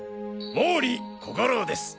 毛利小五郎です。